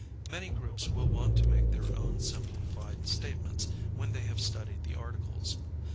Many groups will want to make their own simplified statements when they have studied the Articles.